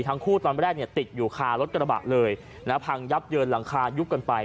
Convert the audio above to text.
ทั้งคู่ตอนแรกเนี่ยติดอยู่คารถกระบะเลยนะพังยับเยินหลังคายุบกันไป